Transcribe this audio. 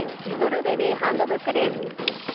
リトルベビーハンドブックです。